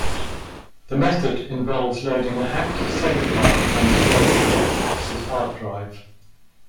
The method involves loading a hacked save file transferred to the Xbox's Hard Drive.